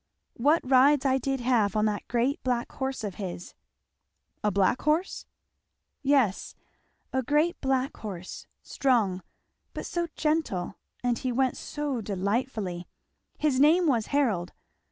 What rides I did have on that great black horse of his!" "A black horse?" "Yes, a great black horse, strong, but so gentle, and he went so delightfully. His name was Harold.